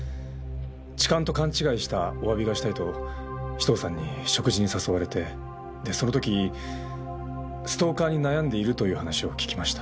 痴漢と勘違いしたお詫びがしたいと紫藤さんに食事に誘われてでその時ストーカーに悩んでいるという話を聞きました。